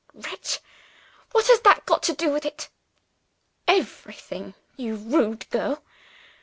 "Wretch! what has that got to do with it?" "Everything, you rude girl!